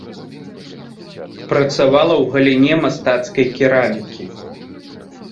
Працавала ў галіне мастацкай керамікі.